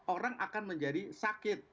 orang akan menjadi sakit